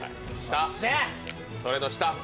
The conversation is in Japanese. それの下。